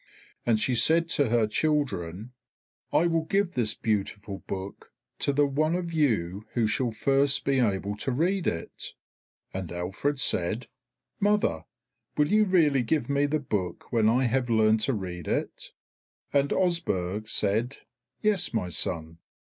And she said to her children, "I will give this beautiful book to the one of you who shall first be able to read it." And Alfred said, "Mother, will you really give me the book when I have learned to read it?" And Osburh said, "Yes, my son."